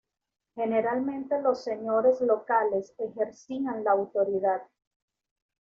Generalmente los señores locales ejercían la autoridad.